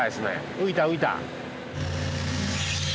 浮いた浮いた！